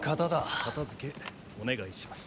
片付けお願いします。